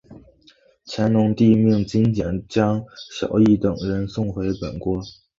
乾隆帝命金简将益晓等人送回本国。